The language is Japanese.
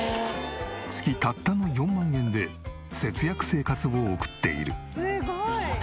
月たったの４万円で節約生活を送っている。